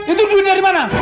itu duit dari mana